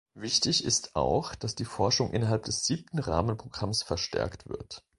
Wichtig ist auch, dass die Forschung innerhalb des siebten Rahmenprogramms verstärkt wird.